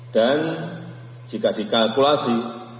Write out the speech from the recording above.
dan jika dikalkulasi